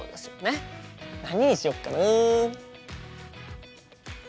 何にしよっかな？